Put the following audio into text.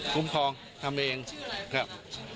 คุ้มครองทำเองครับ